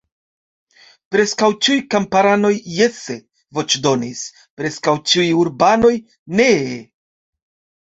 Preskaŭ ĉiuj kamparanoj jese voĉdonis; preskaŭ ĉiuj urbanoj nee.